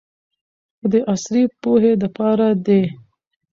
خو د عصري پوهې د پاره دې